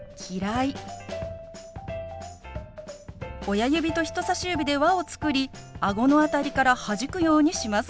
親指と人さし指で輪をつくりあごの辺りからはじくようにします。